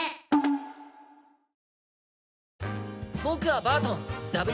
僕はバートン。